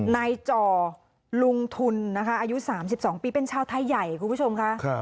นายจ่อลุงทุนนะคะอายุ๓๒ปีเป็นชาวไทยใหญ่คุณผู้ชมค่ะ